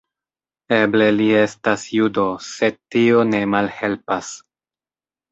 Eble li estas judo, sed tio ne malhelpas.